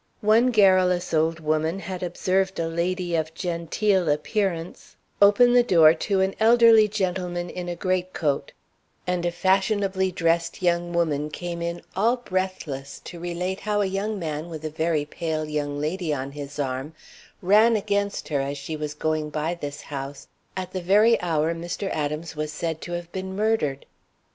One garrulous old woman had observed a lady of genteel appearance open the door to an elderly gentleman in a great coat; and a fashionably dressed young woman came in all breathless to relate how a young man with a very pale young lady on his arm ran against her as she was going by this house at the very hour Mr. Adams was said to have been murdered.